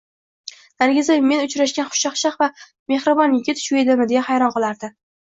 Nargiza Men uchrashgan xushchaqchaq va mehribon yigit shu edimi deya hayron qolardi